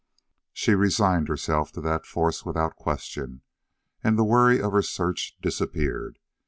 She resigned herself to that force without question, and the worry of her search disappeared.